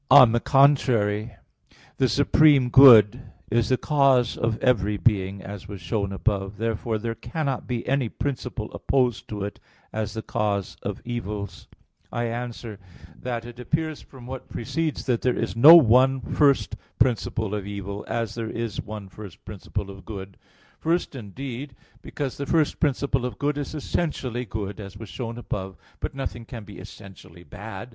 On the contrary, The supreme good is the cause of every being, as was shown above (Q. 2, A. 3; Q. 6, A. 4). Therefore there cannot be any principle opposed to it as the cause of evils. I answer that, It appears from what precedes that there is no one first principle of evil, as there is one first principle of good. First, indeed, because the first principle of good is essentially good, as was shown above (Q. 6, AA. 3, 4). But nothing can be essentially bad.